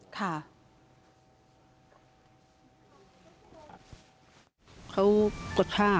ค่ะ